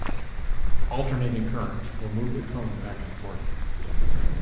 Alternating current will move the cone back and forth.